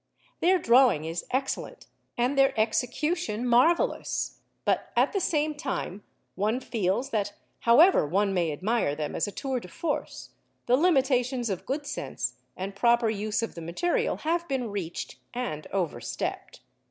Their drawing is excellent and their execution marvellous; but at the same time one feels that, however one may admire them as a tour de force, the limitations of good sense and proper use of the material have been reached and overstepped.